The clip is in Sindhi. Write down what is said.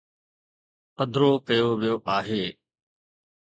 پڌرو ڪيو ويو آهي.